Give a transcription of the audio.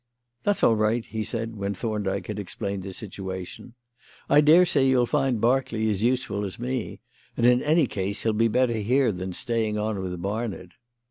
"That's all right," he said when Thorndyke had explained the situation. "I daresay you'll find Berkeley as useful as me, and, in any case, he'll be better here than staying on with Barnard."